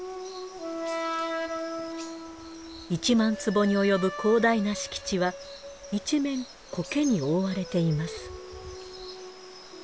１万坪におよぶ広大な敷地は一面苔に覆われています。